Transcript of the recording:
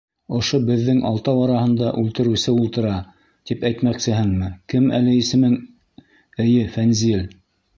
Ошо беҙҙең алтау араһында үлтереүсе ултыра, тип әйтмәксеһеңме, кем әле исемең, эйе, Фәнзил?